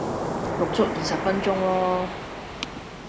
錄足二十分鐘咯